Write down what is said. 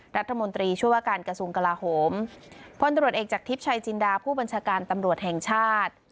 รัฐมนตรีช่วยว่าการกระทรวงกลาโหมพลตรวจเอกจากทิพย์ชัยจินดาผู้บัญชาการตำรวจแห่งชาติ